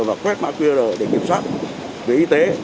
và quét mã qr để kiểm soát về y tế